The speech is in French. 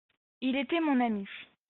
Il était mon ami.